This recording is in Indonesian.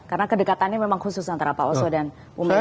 karena kedekatannya memang khusus antara pak oso dan bumega atau